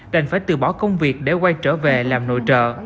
đành phải từ bỏ công việc để quay trở về làm nội trợ